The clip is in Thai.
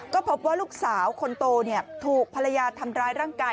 ก็พบว่าลูกสาวคนโตถูกภรรยาทำร้ายร่างกาย